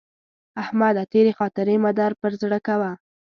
احمده! تېرې خاطرې مه در پر زړه کوه.